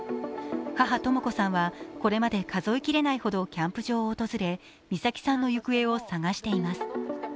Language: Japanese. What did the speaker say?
母・とも子さんはこれまで数え切れないほどキャンプ場を訪れ美咲さんの行方を捜しています。